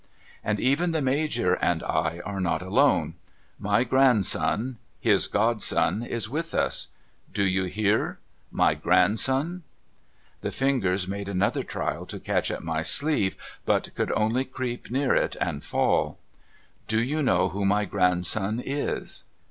'And even the Major and I are not alone. My grandson — his godson —is with us. Do you hear ? My grandson.' The fingers made another trial to catch at my sleeve, but could only creep near it and fall. ' Do you know who my grandson is